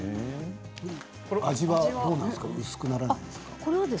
味はどうなんですか薄くならないですか？